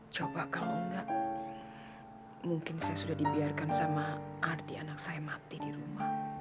coba kalau enggak mungkin saya sudah dibiarkan sama adik anak saya mati di rumah